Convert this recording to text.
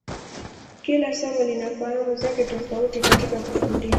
Kila somo lina fahamu zake tofauti katika kufundisha.